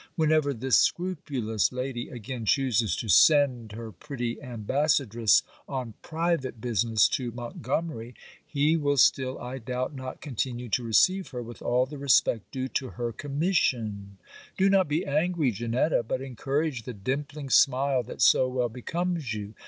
Whenever this scrupulous lady again chooses to send her pretty ambassadress on private business to Montgomery, he will still I doubt not continue to receive her with all the respect due to her commission. Do not be angry, Janetta, but encourage the dimpling smile that so well becomes you.